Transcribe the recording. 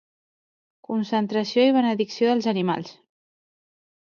Concentració i benedicció dels animals.